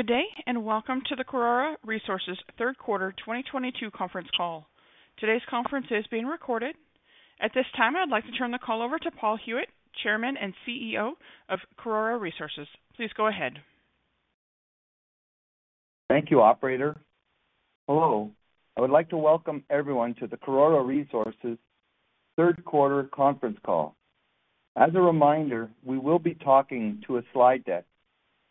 Good day, and welcome to the Karora Resources third quarter 2022 conference call. Today's conference is being recorded. At this time, I'd like to turn the call over to Paul Huet, Chairman and CEO of Karora Resources. Please go ahead. Thank you, operator. Hello. I would like to welcome everyone to the Karora Resources third quarter conference call. As a reminder, we will be talking to a slide deck.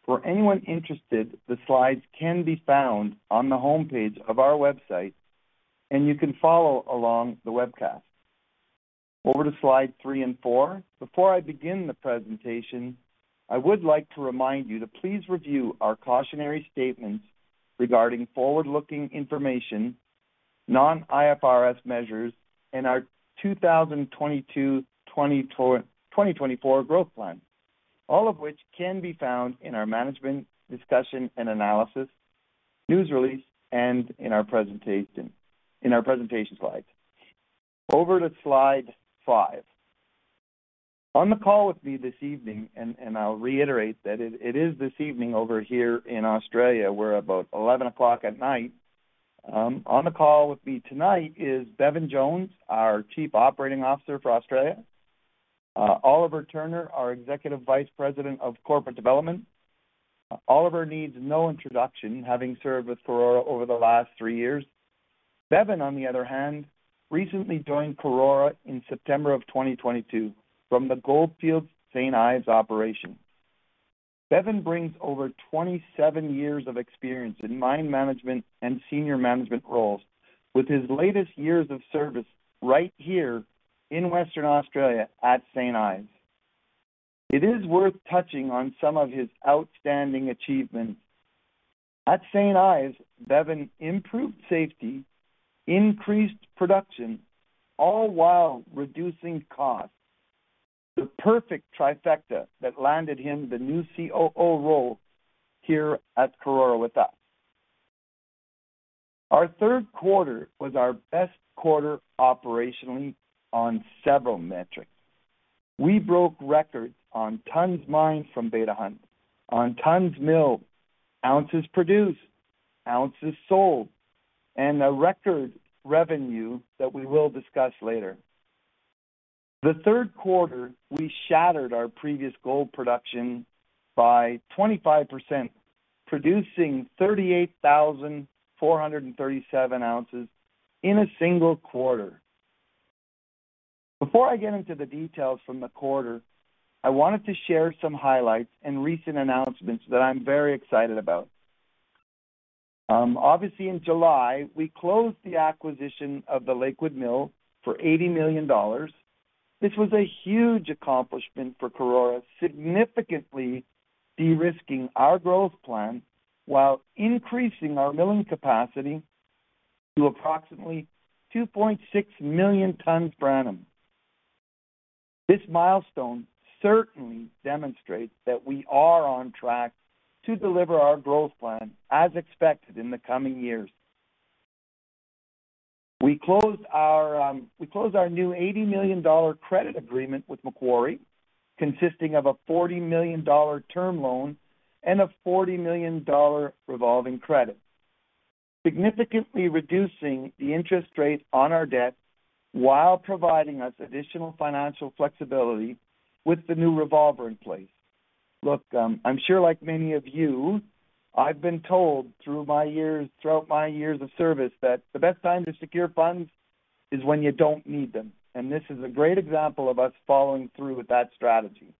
For anyone interested, the slides can be found on the homepage of our website, and you can follow along the webcast. Over to slide three and four. Before I begin the presentation, I would like to remind you to please review our cautionary statements regarding forward-looking information, non-IFRS measures, and our 2022-2024 growth plan, all of which can be found in our management discussion and analysis, news release, and our presentation slides. Over to slide five. On the call with me this evening, and I'll reiterate that it is this evening over here in Australia. We're about 11:00 P.M. On the call with me tonight is Bevan Jones, our Chief Operating Officer for Australia, Oliver Turner, our Executive Vice President of Corporate Development. Oliver needs no introduction, having served with Karora over the last three years. Bevan, on the other hand, recently joined Karora in September 2022 from the Gold Fields St. Ives operation. Bevan brings over 27 years of experience in mine management and senior management roles with his latest years of service right here in Western Australia at St. Ives. It is worth touching on some of his outstanding achievements. At St. Ives, Bevan improved safety, increased production, all while reducing costs. The perfect trifecta that landed him the new COO role here at Karora with us. Our third quarter was our best quarter operationally on several metrics. We broke records on tonnes mined from Beta Hunt, on tonnes milled, ounces produced, ounces sold, and a record revenue that we will discuss later. The third quarter, we shattered our previous gold production by 25%, producing 38,437 oz in a single quarter. Before I get into the details from the quarter, I wanted to share some highlights and recent announcements that I'm very excited about. Obviously, in July, we closed the acquisition of the Lakewood Mill for $80 million. This was a huge accomplishment for Karora, significantly de-risking our growth plan while increasing our milling capacity to approximately 2.6 million tonnes per annum. This milestone certainly demonstrates that we are on track to deliver our growth plan as expected in the coming years. We closed our new $80 million credit agreement with Macquarie, consisting of a $40 million term loan and a $40 million revolving credit. Significantly reducing the interest rate on our debt while providing us additional financial flexibility with the new revolver in place. Look, I'm sure like many of you, I've been told throughout my years of service that the best time to secure funds is when you don't need them, and this is a great example of us following through with that strategy.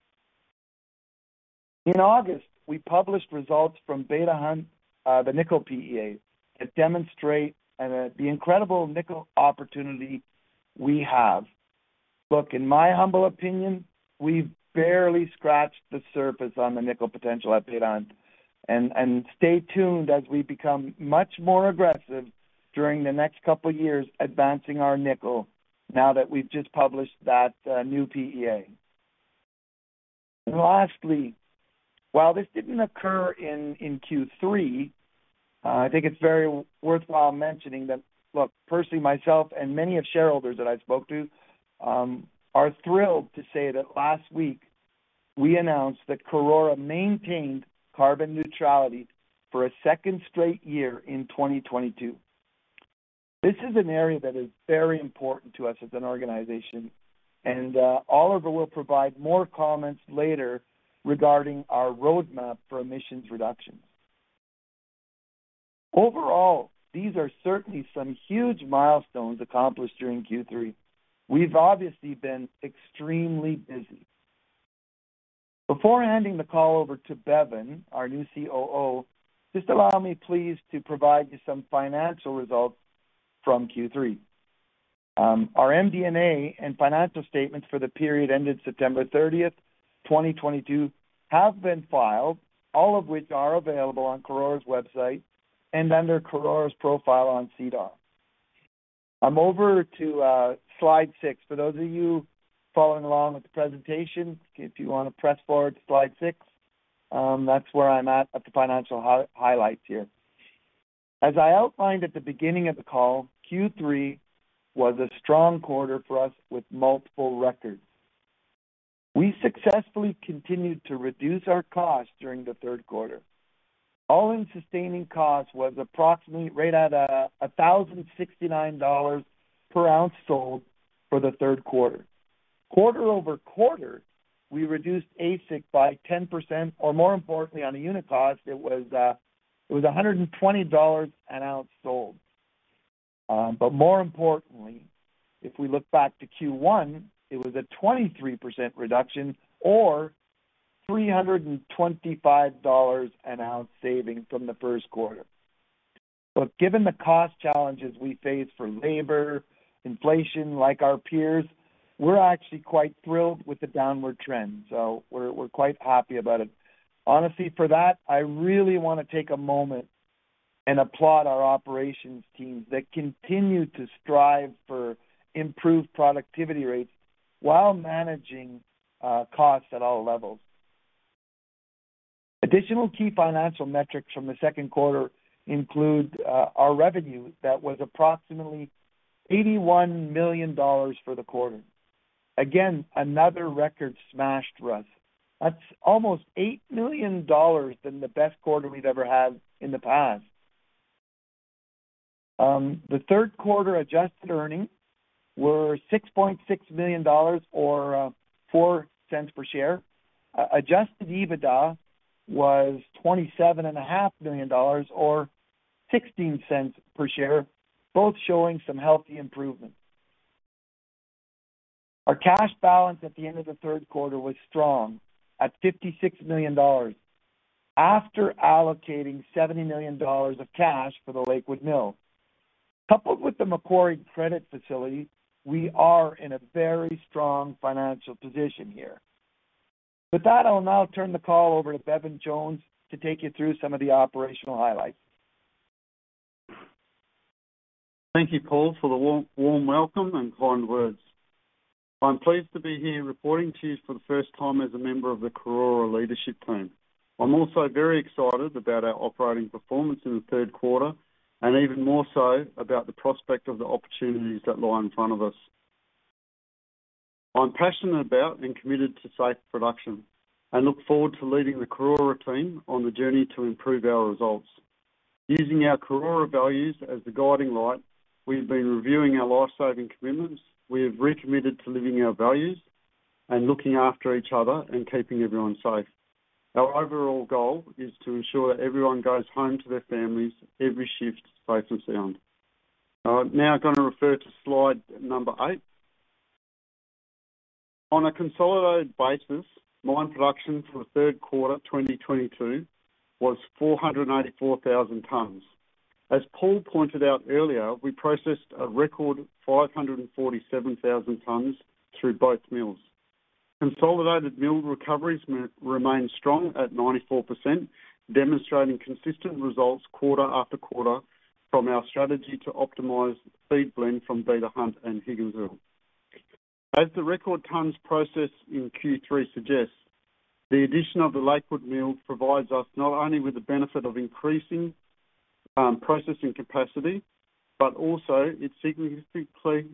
In August, we published results from Beta Hunt, the nickel PEA, that demonstrate the incredible nickel opportunity we have. Look, in my humble opinion, we've barely scratched the surface on the nickel potential at Beta Hunt. Stay tuned as we become much more aggressive during the next couple of years advancing our nickel now that we've just published that new PEA. Lastly, while this didn't occur in Q3, I think it's very worthwhile mentioning that, look, personally, myself and many of shareholders that I spoke to are thrilled to say that last week we announced that Karora maintained carbon neutrality for a second straight year in 2022. This is an area that is very important to us as an organization, and Oliver will provide more comments later regarding our roadmap for emissions reductions. Overall, these are certainly some huge milestones accomplished during Q3. We've obviously been extremely busy. Before handing the call over to Bevan, our new COO, just allow me please to provide you some financial results from Q3. Our MD&A and financial statements for the period ended September 30th, 2022 have been filed, all of which are available on Karora's website and under Karora's profile on SEDAR+. I'm over to slide six. For those of you following along with the presentation, if you wanna press forward to slide six, that's where I'm at the financial highlights here. As I outlined at the beginning of the call, Q3 was a strong quarter for us with multiple records. We successfully continued to reduce our costs during the third quarter. All-in sustaining cost was approximately right at $1,069 per oz sold for the third quarter. Quarter-over-quarter, we reduced AISC by 10% or more importantly, on a unit cost, it was $120 an oz sold. More importantly, if we look back to Q1, it was a 23% reduction or $325 an oz saving from the first quarter. Look, given the cost challenges we face from labor, inflation like our peers, we're actually quite thrilled with the downward trend, so we're quite happy about it. Honestly, for that, I really wanna take a moment and applaud our operations teams that continue to strive for improved productivity rates while managing costs at all levels. Additional key financial metrics from the second quarter include our revenue that was approximately $81 million for the quarter. Again, another record smashed for us. That's almost $8 million more than the best quarter we've ever had in the past. The second quarter adjusted earnings were $6.6 million or $0.04 per share. Adjusted EBITDA was $27,500,000 or $0.16 per share, both showing some healthy improvement. Our cash balance at the end of the third quarter was strong at $56 million after allocating $70 million of cash for the Lakewood Mill. Coupled with the Macquarie credit facility, we are in a very strong financial position here. With that, I'll now turn the call over to Bevan Jones to take you through some of the operational highlights. Thank you, Paul, for the warm welcome and kind words. I'm pleased to be here reporting to you for the first time as a member of the Karora leadership team. I'm also very excited about our operating performance in the third quarter, and even more so about the prospects of the opportunities that lie in front of us. I'm passionate about and committed to safe production and look forward to leading the Karora team on the journey to improve our results. Using our Karora values as the guiding light, we've been reviewing our life-saving commitments. We have recommitted to living our values and looking after each other and keeping everyone safe. Our overall goal is to ensure everyone goes home to their families every shift, safe and sound. I'm now gonna refer to slide number eight. On a consolidated basis, mine production for the third quarter 2022 was 484,000 tons. As Paul pointed out earlier, we processed a record 547,000 tons through both mills. Consolidated mill recoveries remain strong at 94%, demonstrating consistent results quarter after quarter from our strategy to optimize feed blend from Beta Hunt and Higginsville. As the record tons processed in Q3 suggests, the addition of the Lakewood Mill provides us not only with the benefit of increasing processing capacity, but also it significantly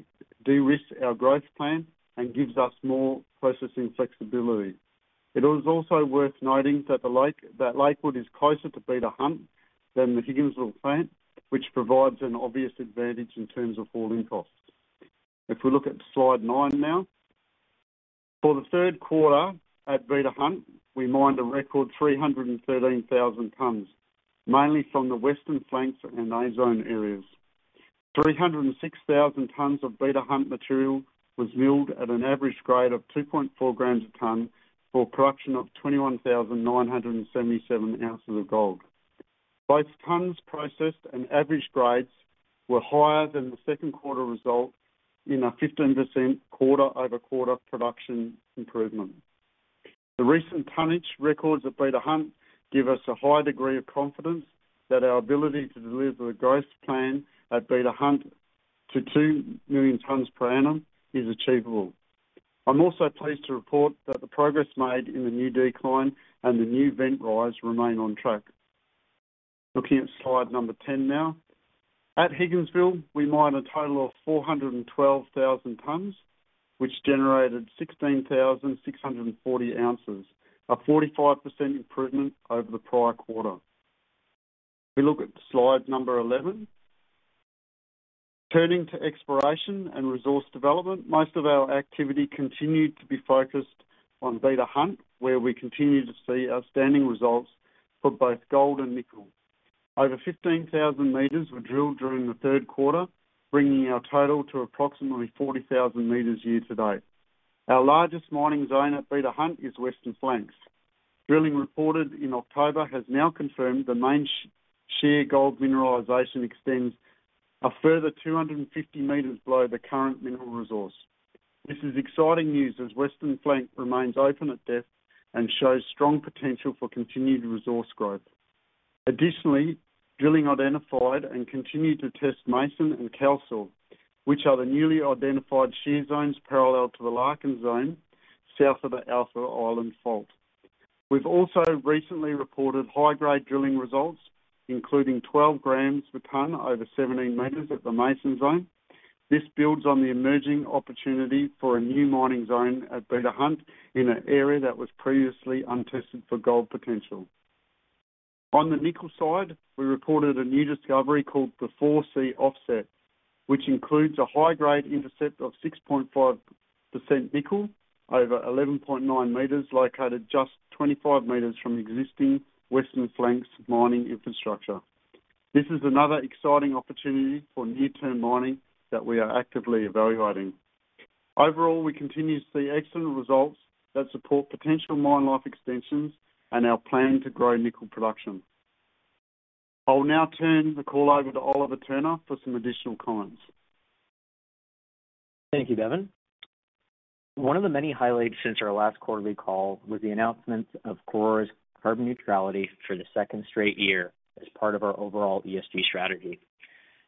de-risks our growth plan and gives us more processing flexibility. It is also worth noting that that Lakewood is closer to Beta Hunt than the Higginsville plant, which provides an obvious advantage in terms of hauling costs. If we look at slide nine now. For the third quarter at Beta Hunt, we mined a record 313,000 tons, mainly from the Western Flanks and A Zone areas. 306,000 tons of Beta Hunt material was milled at an average grade of 2.4 g a ton for production of 21,977 oz of gold. Both tons processed and average grades were higher than the second quarter result in a 15% quarter-over-quarter production improvement. The recent tonnage records at Beta Hunt give us a high degree of confidence that our ability to deliver the growth plan at Beta Hunt to 2 million tons per annum is achievable. I'm also pleased to report that the progress made in the new decline and the new vent rise remain on track. Looking at slide number 10 now. At Higginsville, we mined a total of 412,000 tons, which generated 16,640 oz, a 45% improvement over the prior quarter. If we look at slide 11. Turning to exploration and resource development, most of our activity continued to be focused on Beta Hunt, where we continue to see outstanding results for both gold and nickel. Over 15,000 m were drilled during the third quarter, bringing our total to approximately 40,000 m year to date. Our largest mining zone at Beta Hunt is Western Flanks. Drilling reported in October has now confirmed the main shear gold mineralization extends a further 250 m below the current mineral resource. This is exciting news as Western Flanks remains open at depth and shows strong potential for continued resource growth. Additionally, drilling identified and continued to test Mason and Cowcill, which are the newly identified shear zones parallel to the Larkin Zone south of the Alpha Island Fault. We've also recently reported high-grade drilling results, including 12 g per ton over 17 m at the Mason Zone. This builds on the emerging opportunity for a new mining zone at Beta Hunt in an area that was previously untested for gold potential. On the nickel side, we reported a new discovery called the 4C Offset, which includes a high-grade intercept of 6.5% nickel over 11.9 m, located just 25 m from existing Western Flanks mining infrastructure. This is another exciting opportunity for near-term mining that we are actively evaluating. Overall, we continue to see excellent results that support potential mine life extensions and our plan to grow nickel production. I will now turn the call over to Oliver Turner for some additional comments. Thank you, Bevan. One of the many highlights since our last quarterly call was the announcement of Karora's carbon neutrality for the second straight year as part of our overall ESG strategy.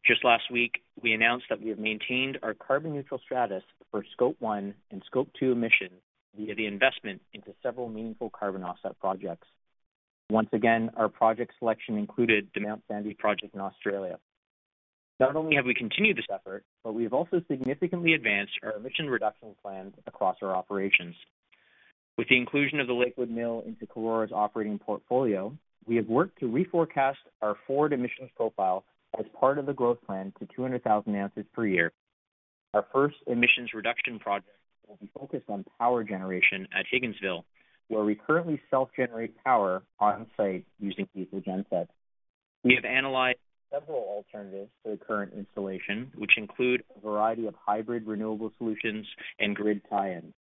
Just last week, we announced that we have maintained our carbon neutral status for scope one and scope two emissions via the investment into several meaningful carbon offset projects. Once again, our project selection included the Mount Sandy project in Australia. Not only have we continued this effort, but we have also significantly advanced our emission reduction plans across our operations. With the inclusion of the Lakewood Mill into Karora's operating portfolio, we have worked to reforecast our forward emissions profile as part of the growth plan to 200,000 oz per year. Our first emissions reduction project will be focused on power generation at Higginsville, where we currently self-generate power on-site using diesel gensets. We have analyzed several alternatives to the current installation, which include a variety of hybrid renewable solutions and grid tie-in.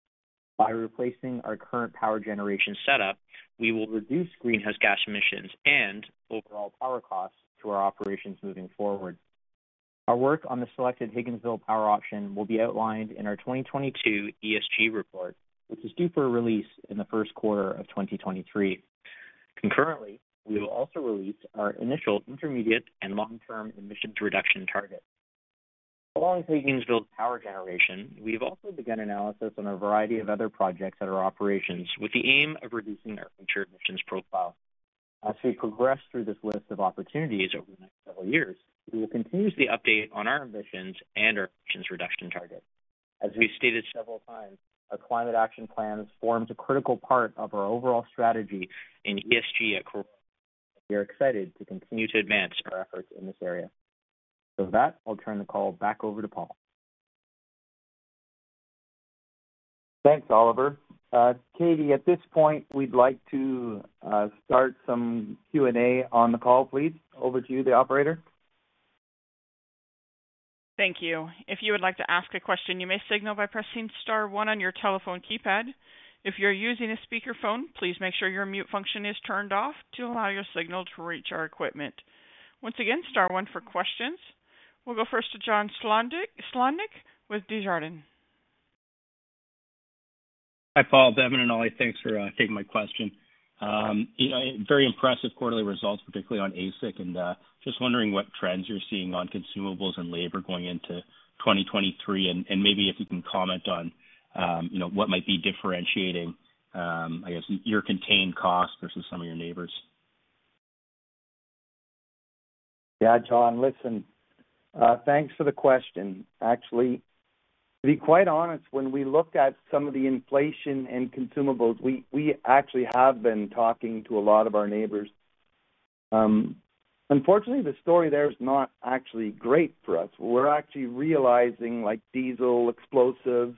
By replacing our current power generation setup, we will reduce greenhouse gas emissions and overall power costs to our operations moving forward. Our work on the selected Higginsville power option will be outlined in our 2022 ESG report, which is due for release in the first quarter of 2023. Concurrently, we will also release our initial, intermediate, and long-term emissions reduction target. Along with Higginsville power generation, we have also begun analysis on a variety of other projects at our operations with the aim of reducing our future emissions profile. As we progress through this list of opportunities over the next several years, we will continuously update on our ambitions and our emissions reduction target. As we've stated several times, our climate action plan forms a critical part of our overall strategy in ESG at Karora. We are excited to continue to advance our efforts in this area. With that, I'll turn the call back over to Paul. Thanks, Oliver. Katie, at this point, we'd like to start some Q&A on the call, please. Over to you, the operator. Thank you. If you would like to ask a question, you may signal by pressing star one on your telephone keypad. If you're using a speakerphone, please make sure your mute function is turned off to allow your signal to reach our equipment. Once again, star one for questions. We'll go first to John Sclodnick with Desjardins. Hi, Paul, Bevan, and Ollie. Thanks for taking my question. You know, very impressive quarterly results, particularly on AISC and just wondering what trends you're seeing on consumables and labor going into 2023, and maybe if you can comment on you know, what might be differentiating I guess your contained costs versus some of your neighbors? Yeah. John, listen, thanks for the question. Actually, to be quite honest, when we look at some of the inflation and consumables, we actually have been talking to a lot of our neighbors. Unfortunately, the story there is not actually great for us. We're actually realizing, like diesel, explosives,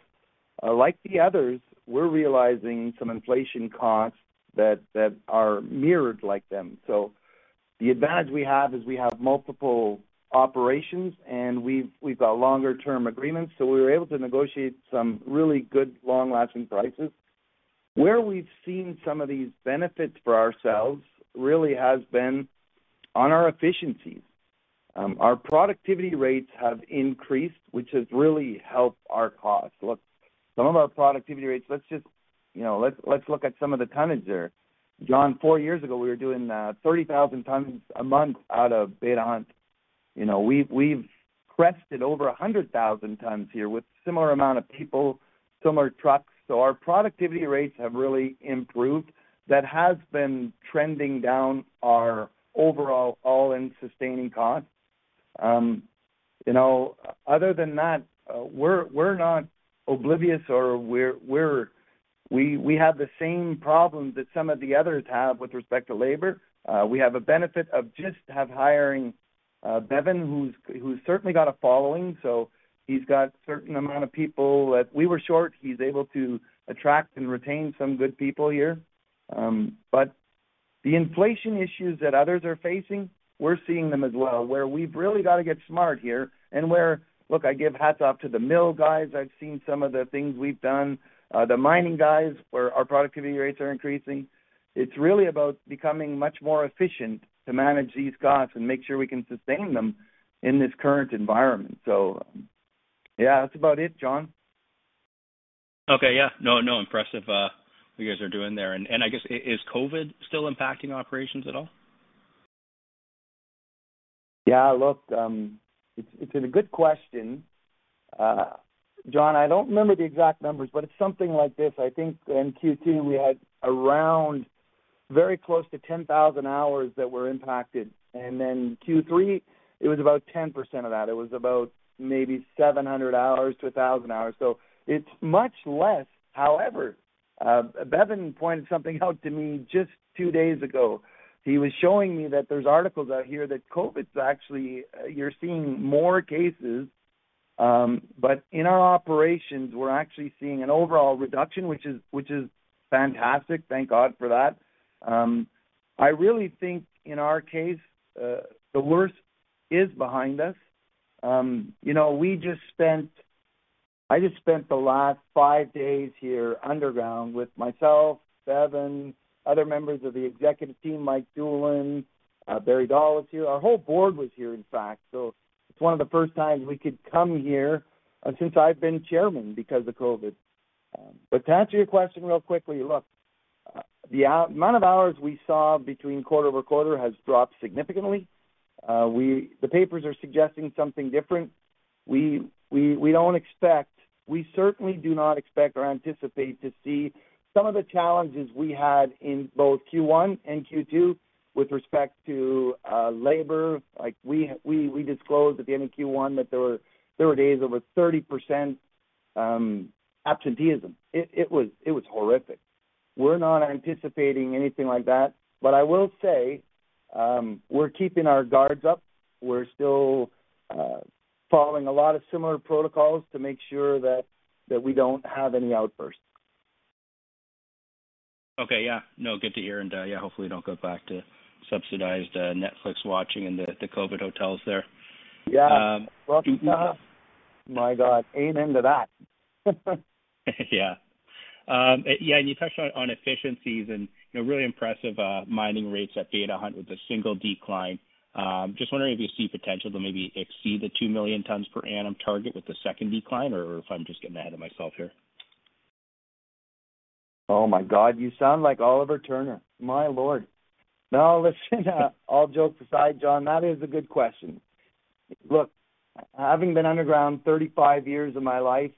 like the others, we're realizing some inflation costs that are mirrored like them. So the advantage we have is we have multiple operations, and we've got longer-term agreements, so we were able to negotiate some really good long-lasting prices. Where we've seen some of these benefits for ourselves really has been on our efficiencies. Our productivity rates have increased, which has really helped our costs. Look, some of our productivity rates, let's look at some of the tonnage there. John, four years ago, we were doing 30,000 tons a month out of Beta Hunt. We've crested over 100,000 tons here with similar amount of people, similar trucks. Our productivity rates have really improved. That has been trending down our overall all-in sustaining costs. We're not oblivious. We have the same problems that some of the others have with respect to labor. We have a benefit of just hiring Bevan, who's certainly got a following. He's got certain amount of people that we were short. He's able to attract and retain some good people here. But the inflation issues that others are facing, we're seeing them as well, where we've really gotta get smart here and where. Look, I give hats off to the mill guys. I've seen some of the things we've done. The mining guys, where our productivity rates are increasing. It's really about becoming much more efficient to manage these costs and make sure we can sustain them in this current environment. Yeah, that's about it, John. Okay. Yeah. No, impressive, what you guys are doing there. I guess, is COVID still impacting operations at all? Yeah, look, it's a good question. John, I don't remember the exact numbers, but it's something like this. I think in Q2 we had around very close to 10,000 hours that were impacted. Then Q3 it was about 10% of that. It was about maybe 700 hours-1,000 hours. It's much less. However, Bevan pointed something out to me just two days ago. He was showing me that there's articles out here that COVID actually, you're seeing more cases, but in our operations we're actually seeing an overall reduction, which is fantastic. Thank God for that. I really think in our case, the worst is behind us. You know, we just spent. I just spent the last five days here underground with myself, Bevan, other members of the executive team, Michael Doolin, Barry Dahl is here. Our whole board was here, in fact. It's one of the first times we could come here since I've been chairman because of COVID. To answer your question real quickly, look, the amount of hours we saw between quarter-over-quarter has dropped significantly. The papers are suggesting something different. We don't expect. We certainly do not expect or anticipate to see some of the challenges we had in both Q1 and Q2 with respect to labor. Like, we disclosed at the end of Q1 that there were days over 30% absenteeism. It was horrific. We're not anticipating anything like that. I will say, we're keeping our guards up. We're still following a lot of similar protocols to make sure that we don't have any outbursts. Okay. Yeah. No, good to hear. Yeah, hopefully don't go back to subsidized Netflix watching in the COVID hotels there. Yeah. My God, amen to that. Yeah, you touched on efficiencies and, you know, really impressive mining rates at Beta Hunt with a single decline. Just wondering if you see potential to maybe exceed the 2 million tons per annum target with the second decline or if I'm just getting ahead of myself here? Oh, my God, you sound like Oliver Turner. My Lord. No, listen, all jokes aside, John, that is a good question. Look, having been underground 35 years of my life,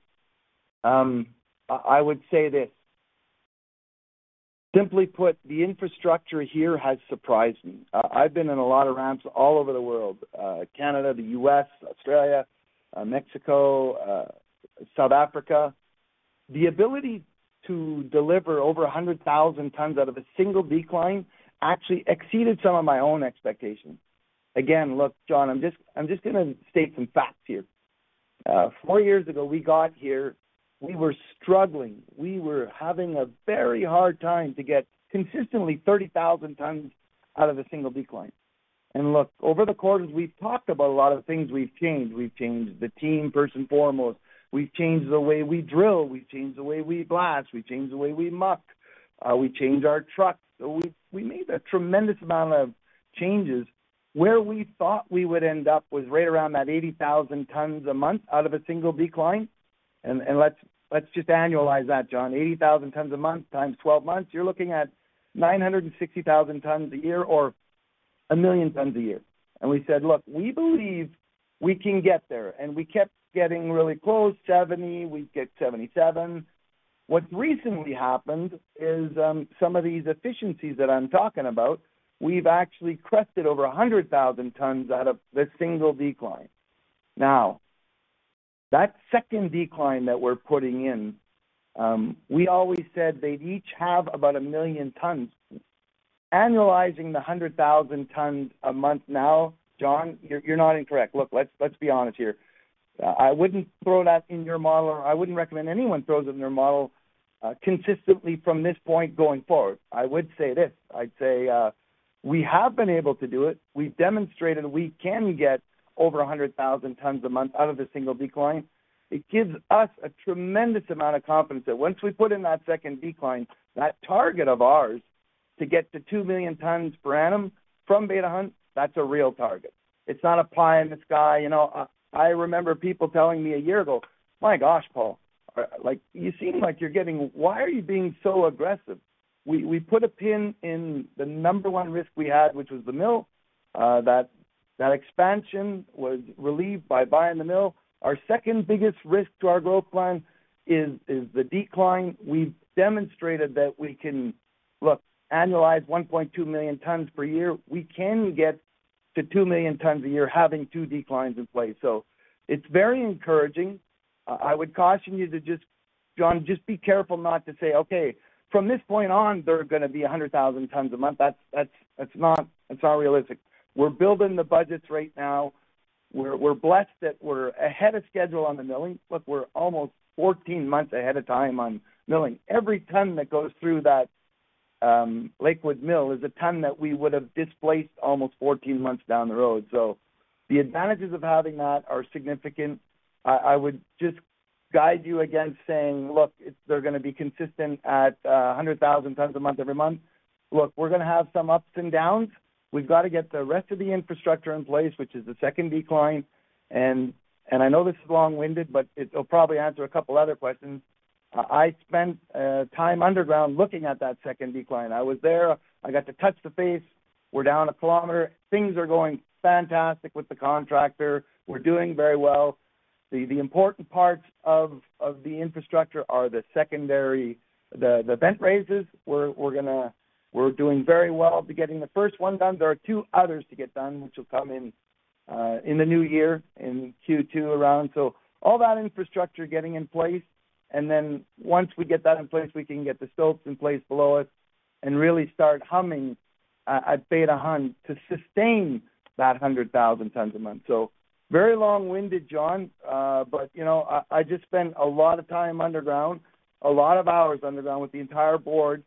I would say this, simply put, the infrastructure here has surprised me. I've been in a lot of ramps all over the world, Canada, the U.S., Australia, Mexico, South Africa. The ability to deliver over 100,000 tons out of a single decline actually exceeded some of my own expectations. Again, look, John, I'm just gonna state some facts here. Four years ago we got here, we were struggling. We were having a very hard time to get consistently 30,000 tons out of a single decline. Look, over the quarters we've talked about a lot of things we've changed. We've changed the team first and foremost. We've changed the way we drill, we've changed the way we blast, we've changed the way we muck, we changed our trucks. We made a tremendous amount of changes. Where we thought we would end up was right around that 80,000 tons a month out of a single decline. Let's just annualize that, John. 80,000 tons a month times 12 months, you're looking at 960,000 tons a year, or 1 million tons a year. We said, "Look, we believe we can get there." We kept getting really close, 70, we'd get 77. What's recently happened is some of these efficiencies that I'm talking about, we've actually crested over 100,000 tons out of the single decline. Now, that second decline that we're putting in, we always said they'd each have about 1 million tons. Annualizing the 100,000 tons a month now, John, you're not incorrect. Look, let's be honest here. I wouldn't throw that in your model, or I wouldn't recommend anyone throws it in their model consistently from this point going forward. I would say this, I'd say, we have been able to do it. We've demonstrated we can get over 100,000 tons a month out of a single decline. It gives us a tremendous amount of confidence that once we put in that second decline, that target of ours to get to 2 million tons per annum from Beta Hunt, that's a real target. It's not a pie in the sky. You know, I remember people telling me a year ago, "My gosh, Paul, like, you seem like you're getting. Why are you being so aggressive?" We put a pin in the number one risk we had, which was the mill. That expansion was relieved by buying the mill. Our second biggest risk to our growth plan is the decline. We've demonstrated that we can annualize 1.2 million tons per year. We can get to 2 million tons a year having two declines in place. It's very encouraging. I would caution you to just John, just be careful not to say, "Okay, from this point on, there are gonna be 100,000 tons a month." That's not realistic. We're building the budgets right now. We're blessed that we're ahead of schedule on the milling. We're almost 14 months ahead of time on milling. Every ton that goes through that, Lakewood Mill is a ton that we would have displaced almost 14 months down the road. The advantages of having that are significant. I would just guide you against saying, "Look, they're gonna be consistent at 100,000 tons a month every month." Look, we're gonna have some ups and downs. We've got to get the rest of the infrastructure in place, which is the second decline. I know this is long-winded, but it'll probably answer a couple other questions. I spent time underground looking at that second decline. I was there. I got to touch the face. We're down a kilometer. Things are going fantastic with the contractor. We're doing very well. The important parts of the infrastructure are the sec ondary the vent raises. We're doing very well to getting the first one done. There are two others to get done, which will come in the new year, in Q2 around. All that infrastructure getting in place, and then once we get that in place, we can get the stopes in place below it and really start humming at Beta Hunt to sustain that 100,000 tons a month. Very long-winded, John. But, you know, I just spent a lot of time underground, a lot of hours underground with the entire board.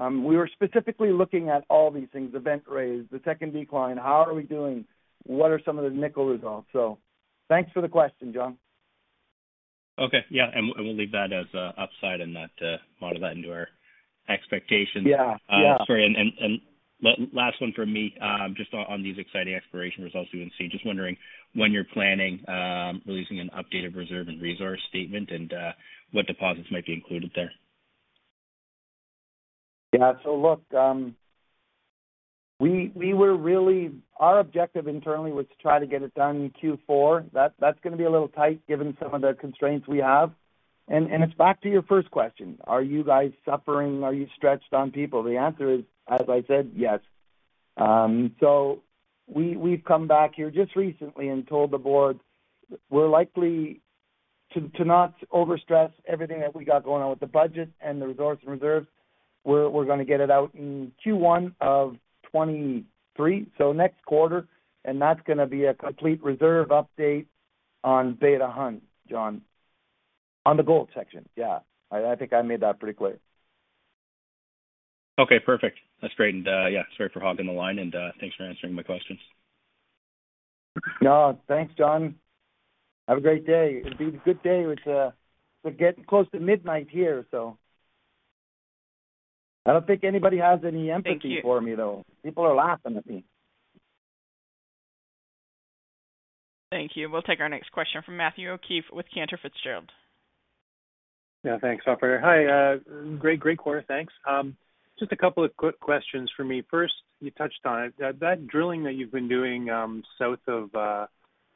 We were specifically looking at all these things, the vent raise, the second decline. How are we doing? What are some of the nickel results? Thanks for the question, John. Okay. Yeah, we'll leave that as an upside and not model that into our expectations. Yeah. Yeah. Sorry. Last one from me, just on these exciting exploration results you've been seeing. Just wondering when you're planning releasing an updated reserve and resource statement and what deposits might be included there? Yeah. Look, our objective internally was to try to get it done in Q4. That's gonna be a little tight given some of the constraints we have. It's back to your first question. Are you guys suffering? Are you stretched on people? The answer is, as I said, yes. We've come back here just recently and told the board we're likely to not overstress everything that we got going on with the budget and the resource and reserves. We're gonna get it out in Q1 of 2023, so next quarter, and that's gonna be a complete reserve update on Beta Hunt, John, on the gold section. Yeah. I think I made that pretty clear. Okay, perfect. That's great. Yeah, sorry for hogging the line and thanks for answering my questions. No, thanks, John. Have a great day. It'll be a good day, which, we're getting close to midnight here, so I don't think anybody has any empathy for me, though. People are laughing at me. Thank you. We'll take our next question from Matthew O'Keefe with Cantor Fitzgerald. Yeah. Thanks, operator. Hi, great quarter. Thanks. Just a couple of quick questions from me. First, you touched on it. That drilling that you've been doing, south of the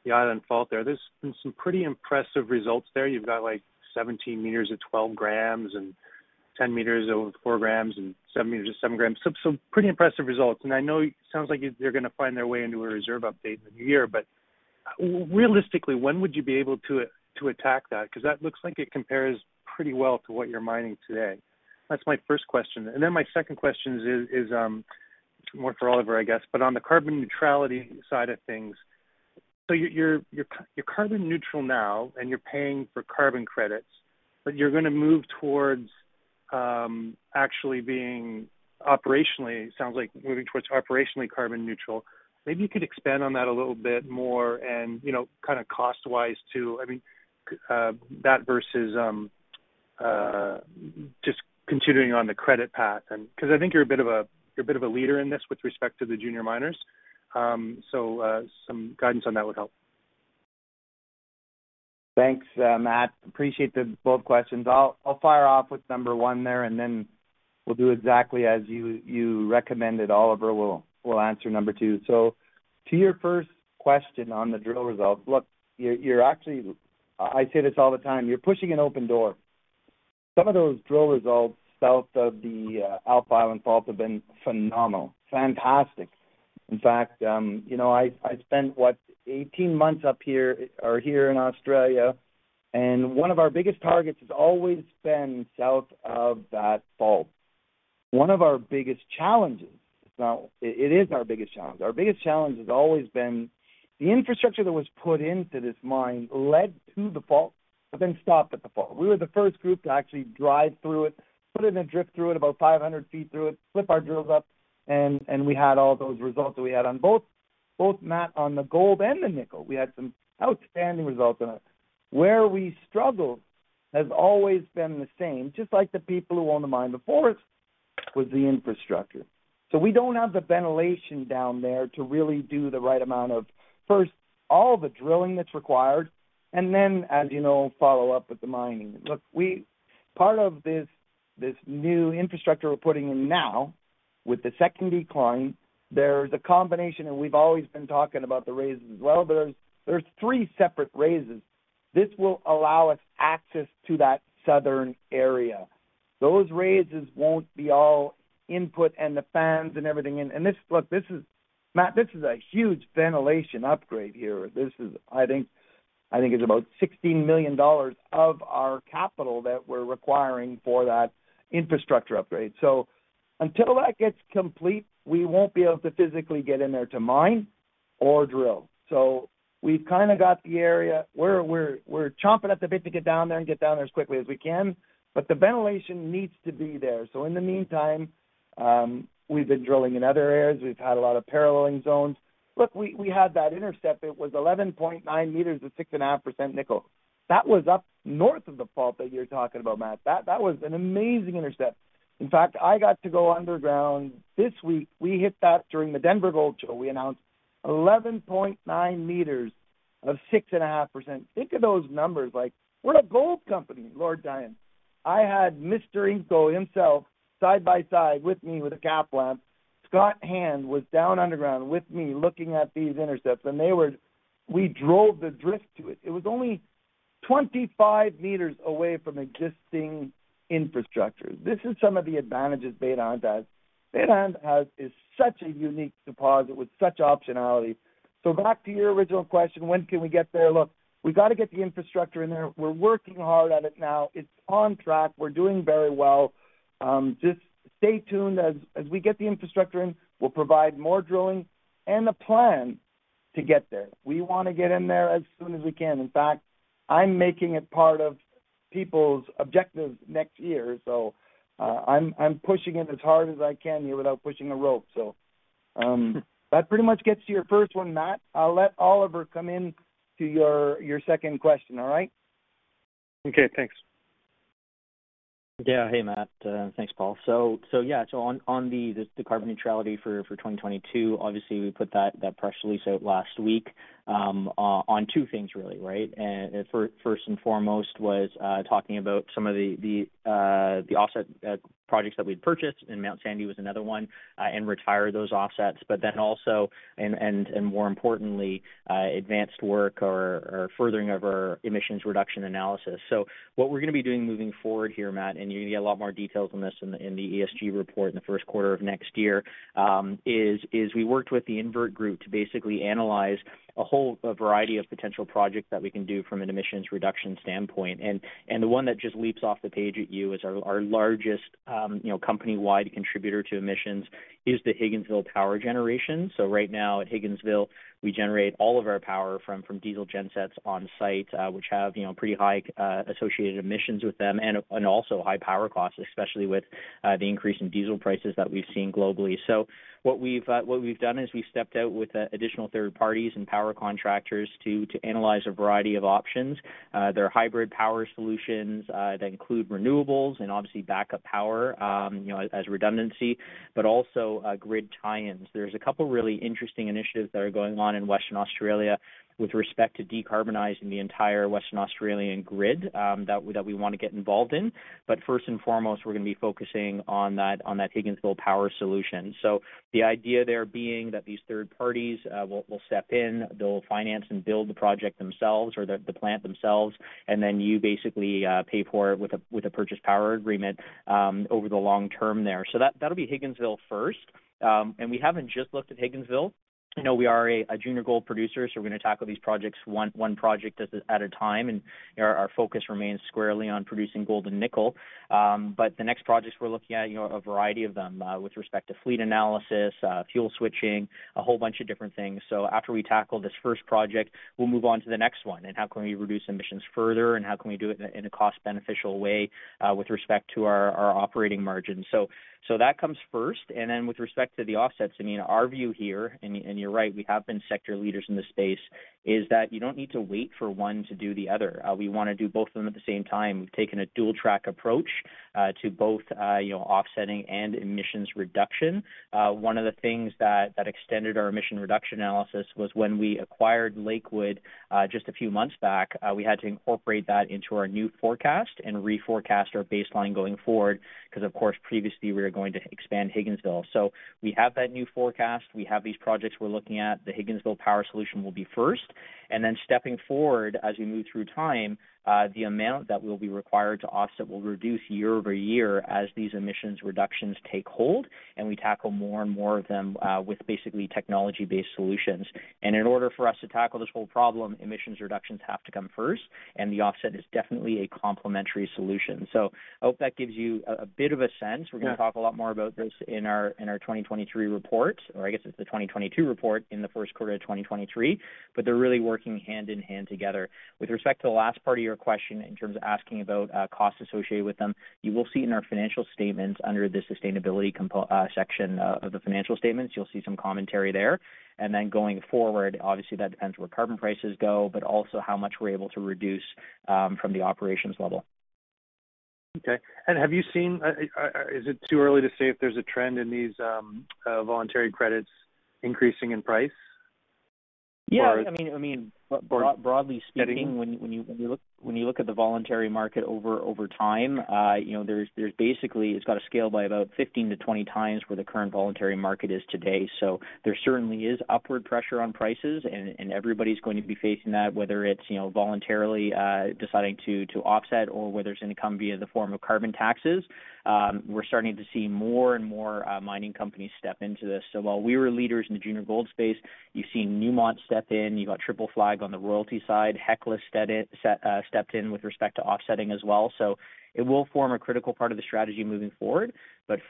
Alpha Island Fault there's been some pretty impressive results there. You've got, like, 17 m at 12 g and 10 m over 4 g and 7 m at 7 g. Some pretty impressive results. I know it sounds like they're gonna find their way into a reserve update in the new year, but realistically, when would you be able to attack that? Because that looks like it compares pretty well to what you're mining today. That's my first question. My second question is more for Oliver, I guess. On the carbon neutrality side of things, you're carbon neutral now and you're paying for carbon credits, but you're gonna move towards actually being operationally carbon neutral. Maybe you could expand on that a little bit more and, you know, kinda cost-wise, too. I mean, that versus just continuing on the credit path and 'cause I think you're a bit of a leader in this with respect to the junior miners. Some guidance on that would help. Thanks, Matt. Appreciate the bold questions. I'll fire off with number one there, and then we'll do exactly as you recommended. Oliver will answer number two. To your first question on the drill results. Look, you're actually pushing an open door. Some of those drill results south of the Alpha Island Fault have been phenomenal, fantastic. In fact, you know, I spent, what, 18 months up here, or here in Australia, and one of our biggest targets has always been south of that fault. One of our biggest challenges. Now, it is our biggest challenge. Our biggest challenge has always been the infrastructure that was put into this mine led to the fault but then stopped at the fault. We were the first group to actually drive through it, put in a drift through it, about 500 ft through it, slip our drills up, and we had all those results that we had on both metals on the gold and the nickel. We had some outstanding results on it. Where we struggled has always been the same, just like the people who owned the mine before us, was the infrastructure. We don't have the ventilation down there to really do the right amount of, first, all the drilling that's required, and then, as you know, follow-up with the mining. Look, part of this new infrastructure we're putting in now with the second decline, there's a combination, and we've always been talking about the raises as well, but there's three separate raises. This will allow us access to that southern area. Those raises won't be all input and the fans and everything in. This is a huge ventilation upgrade here. This is, I think, about $16 million of our capital that we're requiring for that infrastructure upgrade. Until that gets complete, we won't be able to physically get in there to mine or drill. We've kinda got the area. We're chomping at the bit to get down there as quickly as we can, but the ventilation needs to be there. In the meantime, we've been drilling in other areas. We've had a lot of paralleling zones. Look, we had that intercept. It was 11.9 m of 6.5% nickel. That was up north of the fault that you're talking about, Matt. That was an amazing intercept. In fact, I got to go underground this week. We hit that during the Denver Gold Forum. We announced 11.9 m of 6.5%. Think of those numbers like, we're a gold company, Lord knows. I had Mr. Inco himself side by side with me with a cap lamp. Scott Hand was down underground with me looking at these intercepts. We drove the drift to it. It was only 25 m away from existing infrastructure. This is some of the advantages Beta Hunt has. Beta Hunt has such a unique deposit with such optionality. Back to your original question, when can we get there? Look, we got to get the infrastructure in there. We're working hard at it now. It's on track. We're doing very well. Just stay tuned. As we get the infrastructure in, we'll provide more drilling and a plan to get there. We wanna get in there as soon as we can. In fact, I'm making it part of people's objectives next year, so I'm pushing it as hard as I can here without pushing a rope. That pretty much gets to your first one, Matt. I'll let Oliver come in to your second question, all right? Okay, thanks. Yeah. Hey, Matt. Thanks, Paul. Yeah, so on the carbon neutrality for 2022, obviously we put that press release out last week on two things really, right? First and foremost was talking about some of the offset projects that we'd purchased, and Mount Sandy was another one and retire those offsets. Then also and more importantly advanced work or furthering of our emissions reduction analysis. What we're gonna be doing moving forward here, Matt, and you're gonna get a lot more details on this in the ESG report in the first quarter of next year is we worked with the Invert Group to basically analyze a whole variety of potential projects that we can do from an emissions reduction standpoint. The one that just leaps off the page at you is our largest, you know, company-wide contributor to emissions is the Higginsville power generation. Right now at Higginsville, we generate all of our power from diesel gen sets on site, which have, you know, pretty high, associated emissions with them and also high power costs, especially with the increase in diesel prices that we've seen globally. What we've done is we've stepped out with additional third parties and power contractors to analyze a variety of options. There are hybrid power solutions that include renewables and obviously backup power, you know, as redundancy, but also grid tie-ins. There's a couple really interesting initiatives that are going on in Western Australia with respect to decarbonizing the entire Western Australian grid, that we wanna get involved in. But first and foremost, we're gonna be focusing on that Higginsville Power solution. The idea there being that these third parties will step in, they'll finance and build the project themselves or the plant themselves, and then you basically pay for it with a purchase power agreement over the long term there. That'll be Higginsville first. We haven't just looked at Higginsville. We are a junior gold producer, so we're gonna tackle these projects one project at a time. Our focus remains squarely on producing gold and nickel. The next projects we're looking at, you know, a variety of them, with respect to fleet analysis, fuel switching, a whole bunch of different things. After we tackle this first project, we'll move on to the next one, and how can we reduce emissions further, and how can we do it in a cost-beneficial way, with respect to our operating margins. That comes first. With respect to the offsets, I mean, our view here, and you're right, we have been sector leaders in this space, is that you don't need to wait for one to do the other. We wanna do both of them at the same time. We've taken a dual track approach to both, you know, offsetting and emissions reduction. One of the things that extended our emission reduction analysis was when we acquired Lakewood just a few months back. We had to incorporate that into our new forecast and reforecast our baseline going forward, 'cause of course previously we were going to expand Higginsville. We have that new forecast. We have these projects we're looking at. The Higginsville Power solution will be first. Stepping forward as we move through time, the amount that will be required to offset will reduce year-over-year as these emissions reductions take hold and we tackle more and more of them with basically technology-based solutions. In order for us to tackle this whole problem, emissions reductions have to come first, and the offset is definitely a complementary solution. I hope that gives you a bit of a sense. Yeah. We're gonna talk a lot more about this in our 2023 report, or I guess it's the 2022 report in the first quarter of 2023, but they're really working hand in hand together. With respect to the last part of your question in terms of asking about costs associated with them, you will see in our financial statements under the sustainability section of the financial statements. You'll see some commentary there. Going forward, obviously that depends where carbon prices go, but also how much we're able to reduce from the operations level. Okay. Have you seen, is it too early to say if there's a trend in these voluntary credits increasing in price? Yeah. I mean, broadly speaking, when you look at the voluntary market over time, you know, there's basically, it's got to scale by about 15x-20x where the current voluntary market is today. There certainly is upward pressure on prices and everybody's going to be facing that, whether it's, you know, voluntarily deciding to offset or whether it's gonna come via the form of carbon taxes. We're starting to see more and more mining companies step into this. While we were leaders in the junior gold space, you've seen Newmont step in, you've got Triple Flag on the royalty side. Hecla stepped in with respect to offsetting as well. It will form a critical part of the strategy moving forward.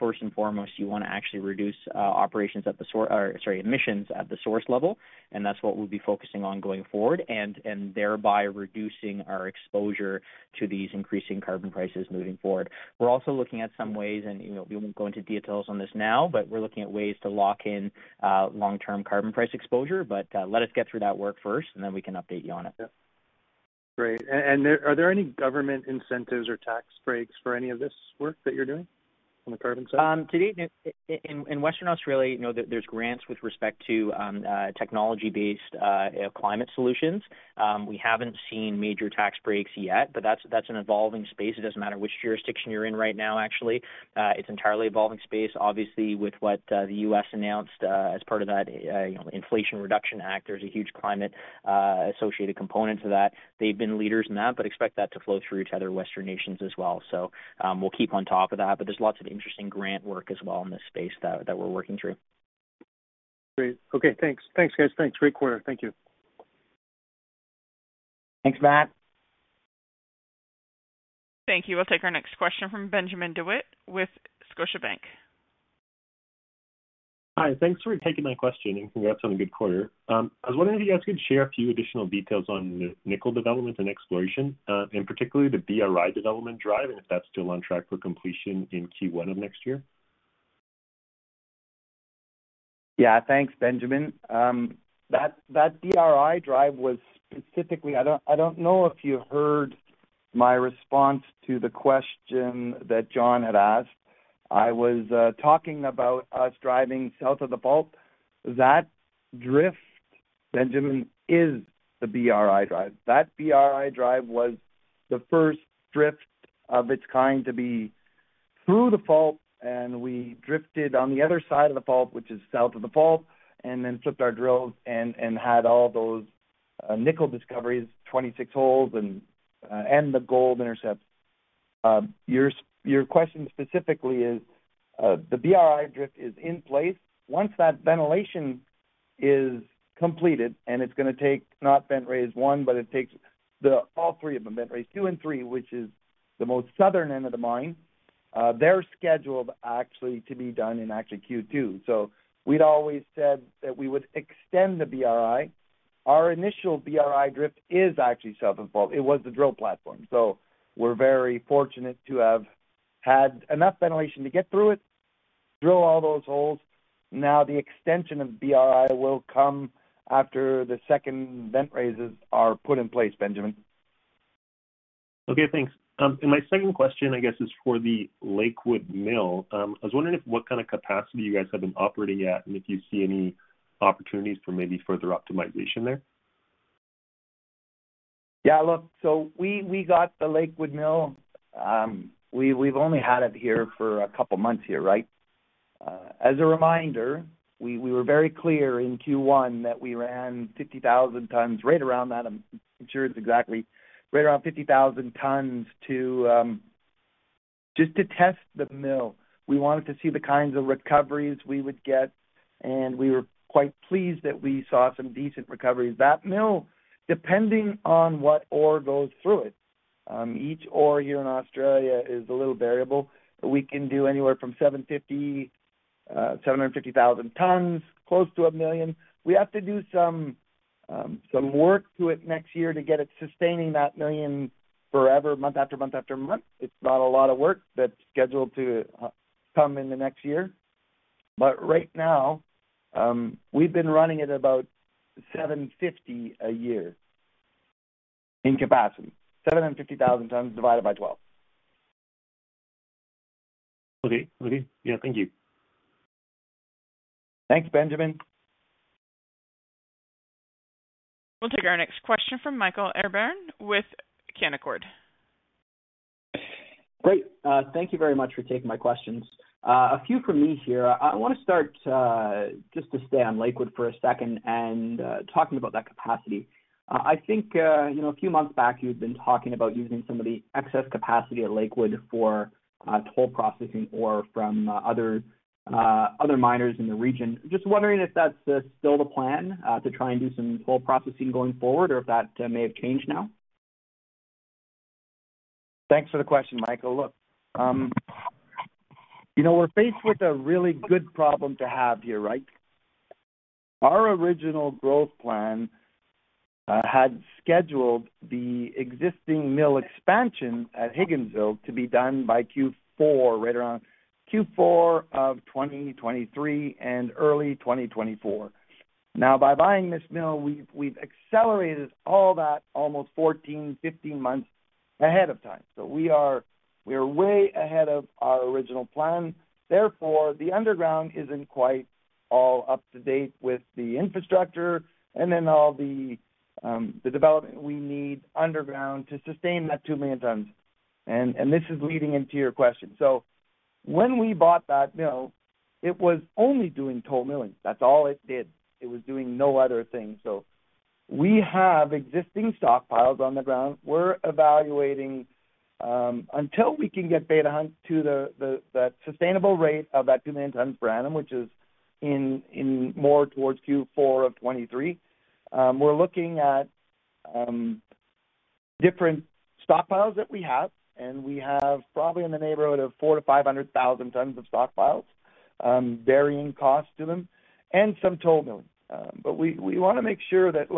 First and foremost, you wanna actually reduce emissions at the source level, and that's what we'll be focusing on going forward and thereby reducing our exposure to these increasing carbon prices moving forward. We're also looking at some ways, and, you know, we won't go into details on this now, but we're looking at ways to lock in long-term carbon price exposure. Let us get through that work first, and then we can update you on that. Great. Are there any government incentives or tax breaks for any of this work that you're doing on the carbon side? To date, in Western Australia, you know, there are grants with respect to technology-based climate solutions. We haven't seen major tax breaks yet, but that's an evolving space. It doesn't matter which jurisdiction you're in right now, actually. It's an entirely evolving space, obviously, with what the U.S. announced as part of that, you know, Inflation Reduction Act. There's a huge climate associated component to that. They've been leaders in that, but expect that to flow through to other Western nations as well. We'll keep on top of that, but there's lots of interesting grant work as well in this space that we're working through. Great. Okay, thanks. Thanks, guys. Thanks. Great quarter. Thank you. Thanks, Matt. Thank you. We'll take our next question from Benjamin de Wit with Scotiabank. Hi. Thanks for taking my question, and congrats on a good quarter. I was wondering if you guys could share a few additional details on the nickel development and exploration, in particular, the BRI development drive, and if that's still on track for completion in Q1 of next year? Yeah. Thanks, Benjamin. That BRI drive was specifically. I don't know if you heard my response to the question that John had asked. I was talking about us driving south of the fault. That drift, Benjamin, is the BRI drive. That BRI drive was the first drift of its kind to be through the fault, and we drifted on the other side of the fault, which is south of the fault, and then flipped our drills and had all those nickel discoveries, 26 holes, and the gold intercept. Your question specifically is, the BRI drift is in place. Once that ventilation is completed, and it's gonna take not vent raise one, but it takes all three of them, vent raise two and three, which is the most southern end of the mine. They're scheduled actually to be done in actually Q2. We'd always said that we would extend the BRI. Our initial BRI drift is actually south of the fault. It was the drill platform. We're very fortunate to have had enough ventilation to get through it, drill all those holes. Now, the extension of BRI will come after the second vent raises are put in place, Benjamin. Okay, thanks. My second question, I guess, is for the Lakewood Mill. I was wondering what kind of capacity you guys have been operating at and if you see any opportunities for maybe further optimization there? Yeah. Look, we got the Lakewood Mill. We've only had it here for a couple of months here, right? As a reminder, we were very clear in Q1 that we ran 50,000 tons, right around that. I'm not sure it's exactly right around 50,000 tons to just test the mill. We wanted to see the kinds of recoveries we would get, and we were quite pleased that we saw some decent recoveries. That mill, depending on what ore goes through it, each ore here in Australia is a little variable. We can do anywhere from 750,000 tons, close to 1 million. We have to do some work to it next year to get it sustaining that 1 million forever, month after month after month. It's not a lot of work that's scheduled to come in the next year. Right now, we've been running at about 750 a year in capacity. 750,000 tons divided by 12. Okay. Yeah. Thank you. Thanks, Benjamin. We'll take our next question from Michael Fairbairn with Canaccord. Great. Thank you very much for taking my questions. A few from me here. I wanna start just to stay on Lakewood for a second and talking about that capacity. I think you know, a few months back, you've been talking about using some of the excess capacity at Lakewood for toll processing ore from other miners in the region. Just wondering if that's still the plan to try and do some toll processing going forward or if that may have changed now? Thanks for the question, Michael. Look, you know, we're faced with a really good problem to have here, right? Our original growth plan had scheduled the existing mill expansion at Higginsville to be done by Q4, right around Q4 of 2023 and early 2024. Now, by buying this mill, we've accelerated all that almost 14 months-15 months ahead of time. We are way ahead of our original plan. Therefore, the underground isn't quite all up to date with the infrastructure and then all the development we need underground to sustain that 2 million tons. This is leading into your question. When we bought that mill, it was only doing toll milling. That's all it did. It was doing no other thing. We have existing stockpiles on the ground. We're evaluating until we can get Beta Hunt to the sustainable rate of that 2 million tons per annum, which is more towards Q4 of 2023. We're looking at different stockpiles that we have, and we have probably in the neighborhood of 400,000 tons-500,000 tons of stockpiles, varying cost to them and some toll milling. But we wanna make sure that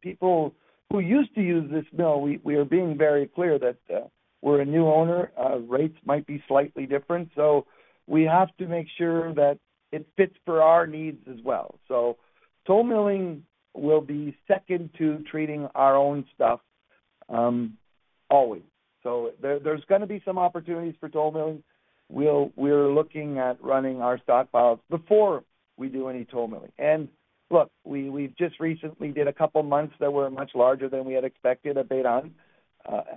people who used to use this mill, we are being very clear that we're a new owner. Rates might be slightly different. We have to make sure that it fits for our needs as well. Toll milling will be second to treating our own stuff. Always. There's gonna be some opportunities for toll milling. We're looking at running our stockpiles before we do any toll milling. Look, we've just recently did a couple of months that were much larger than we had expected at Beta Hunt.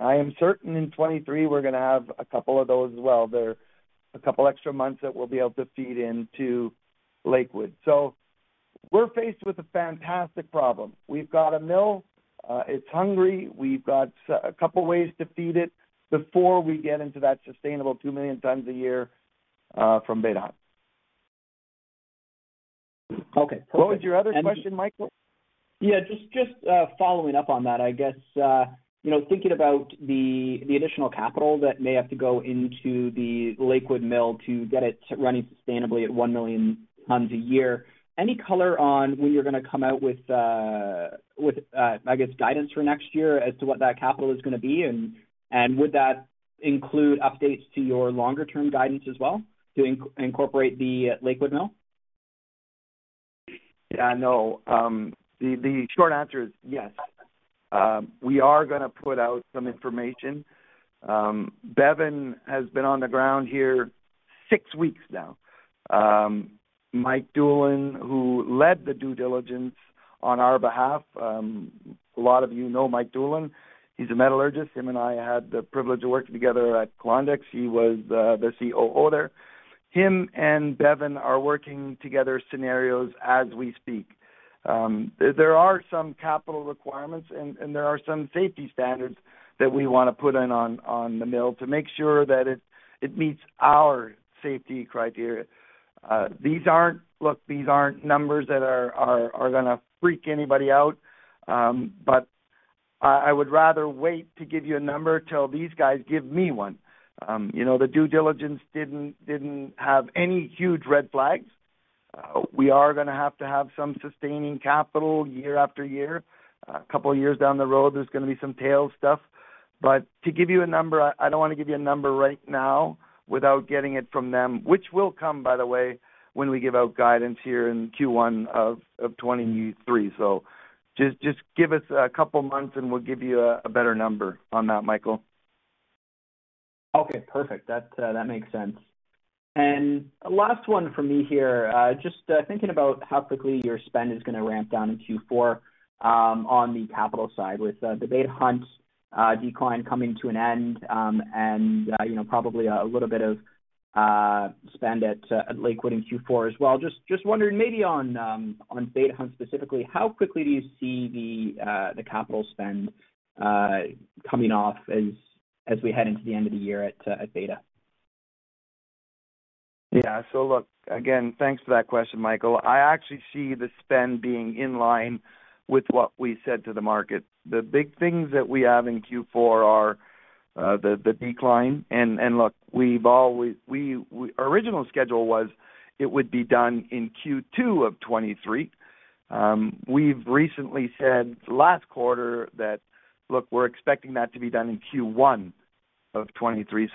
I am certain in 2023 we're gonna have a couple of those as well. There are a couple extra months that we'll be able to feed into Lakewood. We're faced with a fantastic problem. We've got a mill, it's hungry. We've got a couple ways to feed it before we get into that sustainable 2 million tons a year from Beta Hunt. Okay. What was your other question, Michael? Yeah, just following up on that, I guess, you know, thinking about the additional capital that may have to go into the Lakewood mill to get it running sustainably at 1 million tons a year, any color on when you're gonna come out with, I guess, guidance for next year as to what that capital is gonna be, and would that include updates to your longer term guidance as well to incorporate the Lakewood mill? Yeah, no. The short answer is yes. We are gonna put out some information. Bevan has been on the ground here six weeks now. Mike Doolin, who led the due diligence on our behalf, a lot of you know Mike Doolin. He's a metallurgist. Him and I had the privilege of working together at Klondex. He was the COO there. Him and Bevan are working together scenarios as we speak. There are some capital requirements and there are some safety standards that we wanna put in on the mill to make sure that it meets our safety criteria. These aren't. Look, these aren't numbers that are gonna freak anybody out, but I would rather wait to give you a number till these guys give me one. You know, the due diligence didn't have any huge red flags. We are gonna have to have some sustaining capital year after year. A couple of years down the road, there's gonna be some tail stuff. To give you a number, I don't wanna give you a number right now without getting it from them, which will come, by the way, when we give out guidance here in Q1 of 2023. Just give us a couple months and we'll give you a better number on that, Michael. Okay, perfect. That makes sense. Last one for me here. Just thinking about how quickly your spend is gonna ramp down in Q4, on the capital side with the Beta Hunt decline coming to an end, and you know, probably a little bit of spend at Lakewood in Q4 as well. Just wondering maybe on Beta Hunt specifically, how quickly do you see the capital spend coming off as we head into the end of the year at Beta? Yeah. Look, again, thanks for that question, Michael. I actually see the spend being in line with what we said to the market. The big things that we have in Q4 are the decline. Look, original schedule was it would be done in Q2 of 2023. We've recently said last quarter that, look, we're expecting that to be done in Q1 of 2023.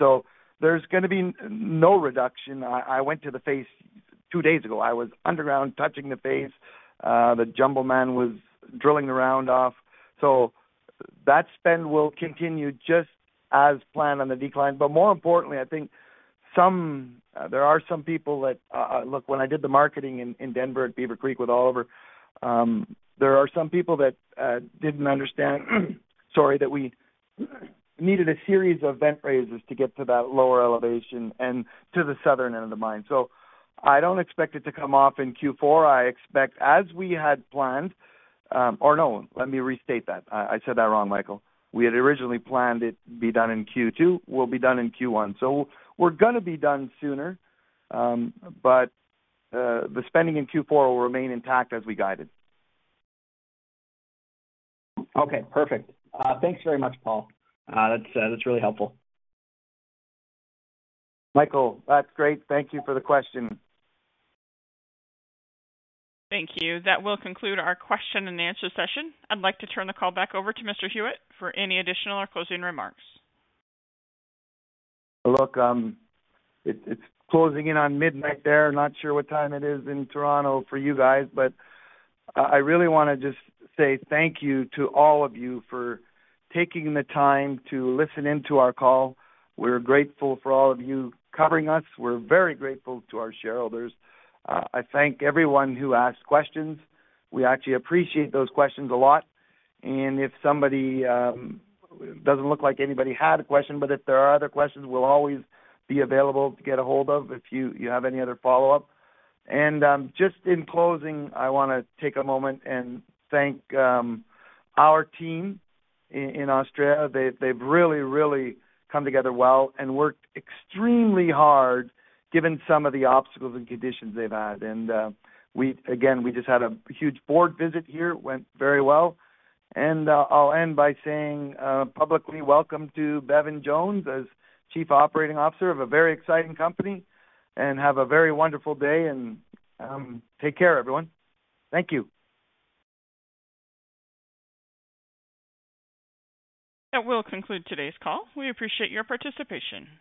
There's gonna be no reduction. I went to the phase two days ago. I was underground touching the phase. The jumbo man was drilling the round off. That spend will continue just as planned on the decline. More importantly, I think there are some people that, when I did the marketing in Denver at Beaver Creek with Oliver, didn't understand, sorry, that we needed a series of vent raises to get to that lower elevation and to the southern end of the mine. I don't expect it to come off in Q4. I expect as we had planned. No, let me restate that. I said that wrong, Michael. We had originally planned it be done in Q2, will be done in Q1. We're gonna be done sooner, but the spending in Q4 will remain intact as we guided. Okay, perfect. Thanks very much, Paul. That's really helpful. Michael, that's great. Thank you for the question. Thank you. That will conclude our question and answer session. I'd like to turn the call back over to Mr. Huet for any additional or closing remarks. Look, it's closing in on midnight there. Not sure what time it is in Toronto for you guys, but I really wanna just say thank you to all of you for taking the time to listen in to our call. We're grateful for all of you covering us. We're very grateful to our shareholders. I thank everyone who asked questions. We actually appreciate those questions a lot. If somebody doesn't look like anybody had a question, but if there are other questions, we'll always be available to get a hold of if you have any other follow-up. Just in closing, I wanna take a moment and thank our team in Australia. They've really come together well and worked extremely hard given some of the obstacles and conditions they've had. Again, we just had a huge board visit here, went very well. I'll end by saying publicly welcome to Bevan Jones as Chief Operating Officer of a very exciting company. Have a very wonderful day and take care, everyone. Thank you. That will conclude today's call. We appreciate your participation.